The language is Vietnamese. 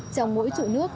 trong mỗi trụ nước